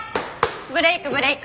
ブレークブレーク。